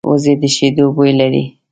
وزې د شیدو بوی لري